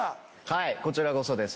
こちらこそです